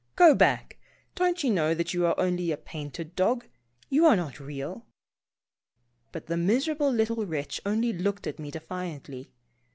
Go back. Don't you know that you are only a painted dog ? You are not real." But the miserable little wretch only looked at Pomposity. 197 me defiantly.